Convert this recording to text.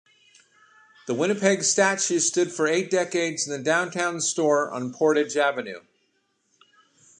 The Winnipeg statue stood for eight decades in the downtown store on Portage Avenue.